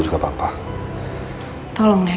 dari laporan di kantor polisi